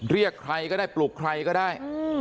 เรียกใครก็ได้ปลุกใครก็ได้